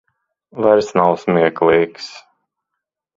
Vairs nav smieklīgs.